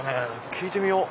聞いてみよう。